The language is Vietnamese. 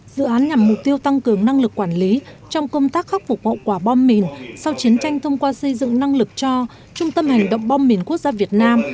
dự án nhằm mục tiêu tăng cường năng lực quản lý trong công tác khắc phục hậu quả bom mìn sau chiến tranh thông qua xây dựng năng lực cho trung tâm hành động bom mìn quốc gia việt nam